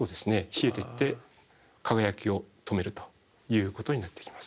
冷えていって輝きを止めるということになってきます。